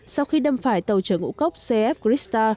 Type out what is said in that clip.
sau khi đâm phải tàu chở ngũ cốc cf krista